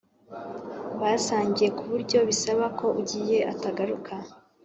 Basangiye ku buryo bisaba ko ugiye atagaruka